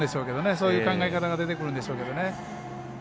そういう考え方が出てくるんでしょうからね。